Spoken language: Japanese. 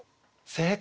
正解。